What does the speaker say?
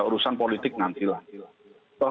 urusan politik nanti lah